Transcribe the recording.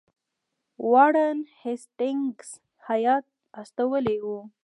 وارن هیسټینګز هیات استولی وو.